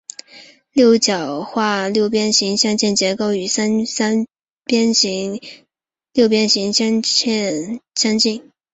六角化六边形镶嵌的结构与六边形边与三角形边重合的复合三角形镶嵌六边形镶嵌相近。